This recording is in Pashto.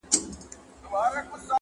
o باغ که باغوان لري، چغال بيا خداى لري.